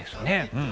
うん。